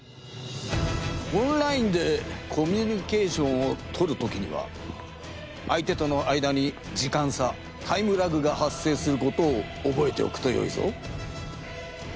オンラインでコミュニケーションをとる時には相手との間にじかんさタイムラグが発生することをおぼえておくとよいぞ。